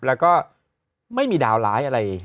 แล้วก็ไม่มีดาวร้ายอะไร